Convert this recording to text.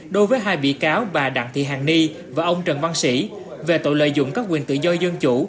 đối với hai bị cáo bà đặng thị hàng ni và ông trần văn sĩ về tội lợi dụng các quyền tự do dân chủ